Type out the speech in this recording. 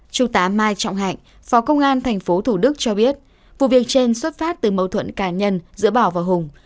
trung tá mai trọng hạnh phó công an tp thủ đức cho biết vụ việc trên xuất phát từ mâu thuẫn cá nhân giữa bảo và hùng